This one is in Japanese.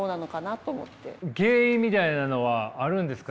原因みたいなのはあるんですか？